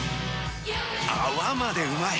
泡までうまい！